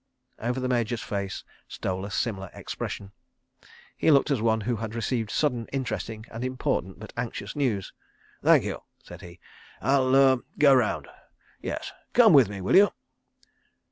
Over the Major's face stole a similar expression. He looked as one who has received sudden, interesting and important but anxious news. "Thank you," said he. "I'll—ah—go round. Yes. Come with me, will you?